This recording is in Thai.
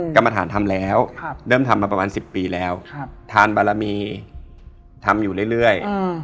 กรรมฐานทำแล้วเริ่มทำมาประมาณ๑๐ปีแล้วทานบารมีทำอยู่เรื่อย